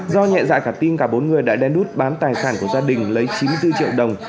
do nhẹ dạ cả tin cả bốn người đã đen đút bán tài sản của gia đình lấy chín mươi bốn triệu đồng